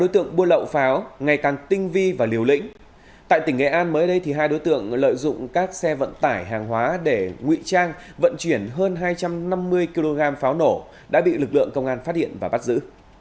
tại tỉnh nghệ an mới đây hai đối tượng lợi dụng các xe vận tải hàng hóa để ngụy trang vận chuyển hơn hai trăm năm mươi kg pháo nổ đã bị lực lượng công an phát hiện và bắt giữ